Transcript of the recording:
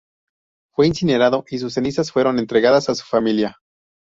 Fue incinerado y sus cenizas fueron entregadas a su familia.